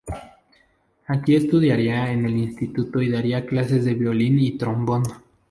Aquí estudiaría en el instituto y daría clases de violín y trombón.